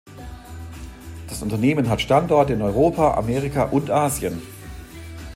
Das Unternehmen hat Standorte in Europa, Amerika und Asien.